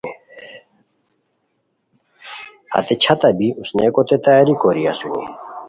ہتے چھتہ بی اوسنئیکوتے تیاری کوری اسونی